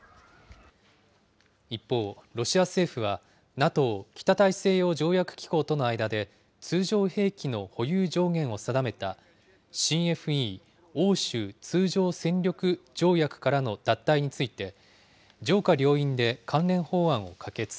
一方、ロシア政府は、ＮＡＴＯ・北大西洋条約機構との間で通常兵器の保有上限を定めた、ＣＦＥ・欧州通常戦力条約からの脱退について、上下両院で関連法案を可決。